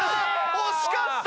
惜しかった。